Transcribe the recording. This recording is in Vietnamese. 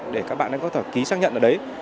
để các bạn ấy có thể ký xác nhận ở đấy